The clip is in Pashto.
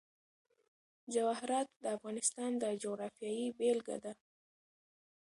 جواهرات د افغانستان د جغرافیې بېلګه ده.